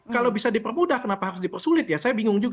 kalau bisa dipermudah kenapa harus dipersulit ya saya bingung juga